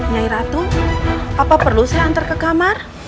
nyai ratu apa perlu saya antar ke kamar